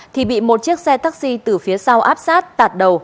thì bị một chiếc xe taxi từ phía sau áp sát tạt đầu